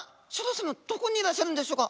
どこにいらっしゃるんでしょうか？